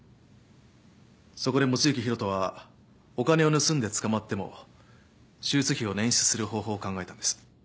そこで望月博人はお金を盗んで捕まっても手術費を捻出する方法を考えたんです。